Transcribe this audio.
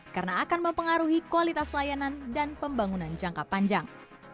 karena akan mempengaruhi kualitas layanan dan pembangunan jangka panjang